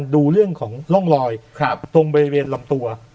ดูเรื่องของร่องรอยตรงบริเวณลำตัว